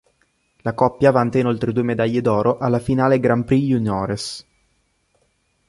La coppia vanta inoltre due medaglie d'oro alla Finale Grand Prix juniores.